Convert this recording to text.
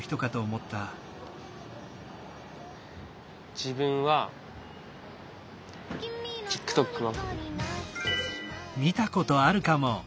自分はＴｉｋＴｏｋの。